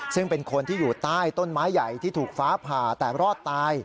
ซึ่งเป็นคนที่อยู่ใต้ต้นไม้ใหญ่ที่ถูกฟ้าผ่าแต่รอดตาย